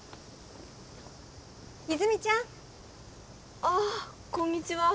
泉ちゃんああこんにちは